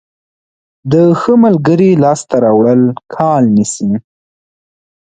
د ښه ملګري لاسته راوړل کال نیسي.